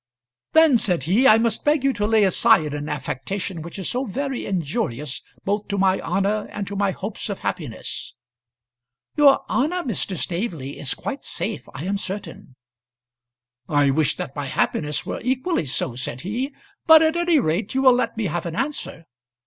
"Then," said he, "I must beg you to lay aside an affectation which is so very injurious both to my honour and to my hopes of happiness." "Your honour, Mr. Staveley, is quite safe, I am certain." "I wish that my happiness were equally so," said he. "But at any rate you will let me have an answer.